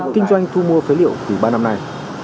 kinh doanh thu mua phế liệu từ ba năm nay